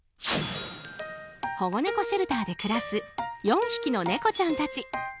保護猫シェルターで暮らす４匹のネコちゃんたち。